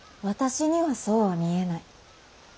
私にはそうは見えない。